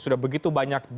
sudah begitu banyak